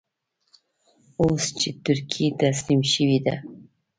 اوس چې ترکیه تسليم شوې ده.